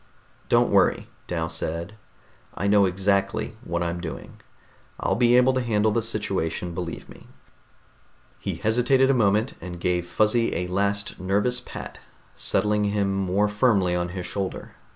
"Don't worry," Dal said. "I know exactly what I'm doing. I'll be able to handle the situation, believe me." He hesitated a moment, and gave Fuzzy a last nervous pat, settling him more firmly on his shoulder.